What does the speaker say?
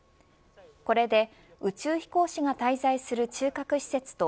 これで宇宙飛行士が滞在する中核施設と